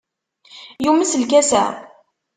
Yumes lkas-a?